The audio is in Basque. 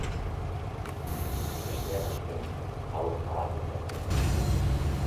Besteak beste, hauek nabarmen daitezke.